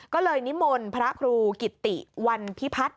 ก็เลยนิมนต์พระครูกิติวันพิพัฒน์